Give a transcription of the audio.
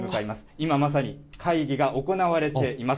今まさに、会議が行われています。